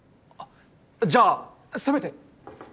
じゃあせめて。